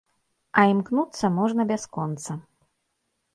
А імкнуцца можна бясконца.